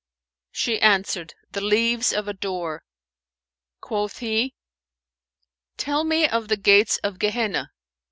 She answered, "The leaves of a door." Quoth he, "Tell me of the gates of Gehenna?"